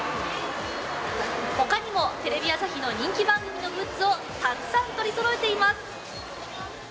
他にもテレビ朝日の人気番組のグッズをたくさん取りそろえています。